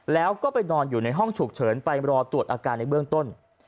แล้วก็ไปนอนอยู่ในห้องฉุกเฉินไปรอตรวจอาการในเบื้องต้น